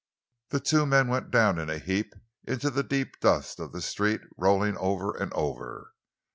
The two men went down in a heap into the deep dust of the street, rolling over and over.